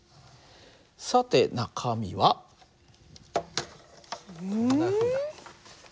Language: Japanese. さて中身はこんなふうになってる。